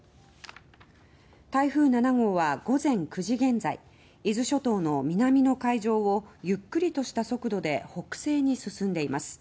台風７号は午前９時現在伊豆諸島の南の海上をゆっくりとした速度で北西に進んでいます。